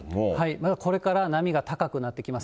まだこれから波が高くなってきます。